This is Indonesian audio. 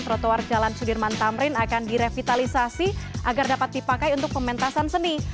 trotoar jalan sudirman tamrin akan direvitalisasi agar dapat dipakai untuk pementasan seni